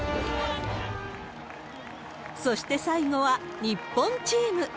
そして最後は、日本チーム。